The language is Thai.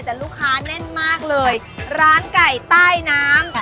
แต่ลูกค้าแน่นมากเลยร้านไก่ใต้น้ำ